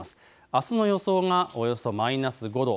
あすの予想がマイナス５度。